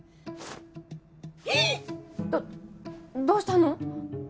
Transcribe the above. どうしたの？